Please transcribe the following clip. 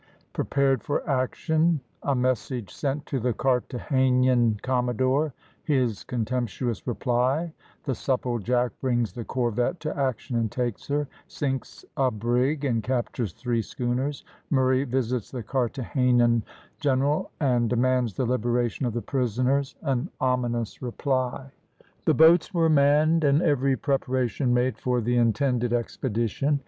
PREPARED FOR ACTION A MESSAGE SENT TO THE CARTHAGENAN COMMODORE HIS CONTEMPTUOUS REPLY THE SUPPLEJACK BRINGS THE CORVETTE TO ACTION AND TAKES HER SINKS A BRIG AND CAPTURES THREE SCHOONERS MURRAY VISITS THE CARTHAGENAN GENERAL, AND DEMANDS THE LIBERATION OF THE PRISONERS AN OMINOUS REPLY. The boats were manned, and every preparation made for the intended expedition.